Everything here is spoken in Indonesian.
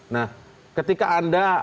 nah ketika anda